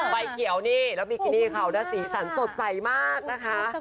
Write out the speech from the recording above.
ใบเขียวนี่แล้วบิกินี่เขานะสีสันสดใสมากนะคะ